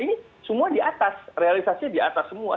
ini semua di atas realisasi di atas semua